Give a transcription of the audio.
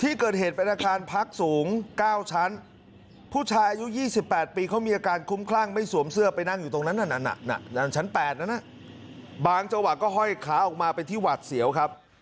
ที่เกิดเหตุเป็นอาคารพักสูง๙ชั้นผู้ชายอายุ๒๘ปีเขามีอาการคุ้มคลั่งไม่สวมเสื้อไปนั่งอยู่ตรงนั้นชั้น๘นั้นบางจังหวะก็ห้อยขาออกมาเป็นที่หวาดเสียวครับ